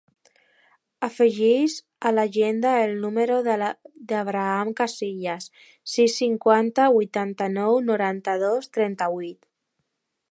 Afegeix a l'agenda el número de l'Abraham Casillas: sis, cinquanta, vuitanta-nou, noranta-dos, trenta-vuit.